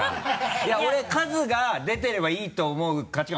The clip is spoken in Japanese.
いや俺数が出てればいいと思う価値観